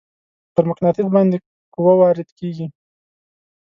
پر مقناطیس باندې قوه وارد کیږي.